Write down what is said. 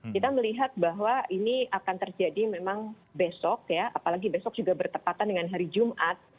kita melihat bahwa ini akan terjadi memang besok ya apalagi besok juga bertepatan dengan hari jumat